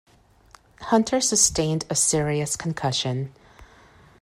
Hunter sustained a serious concussion.